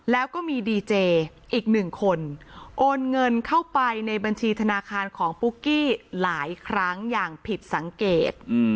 แล้วก็มีดีเจอีกหนึ่งคนโอนเงินเข้าไปในบัญชีธนาคารของปุ๊กกี้หลายครั้งอย่างผิดสังเกต